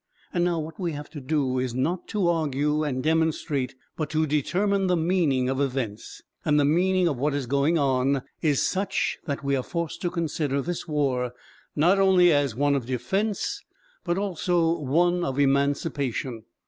And now what we have to do is not to argue and demonstrate, but to determine the meaning of events. And the meaning of what is going on is such that we are forced to consider this war not only as one of defence, but also as one of emancipation.